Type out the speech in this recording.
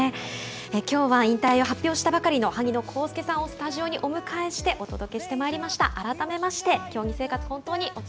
きょうは引退を発表したばかりの萩野公介さんをスタジオにお迎えしてお届けしてまいりました。